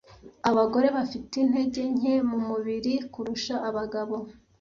Abagore bafite intege nke mumubiri kurusha abagabo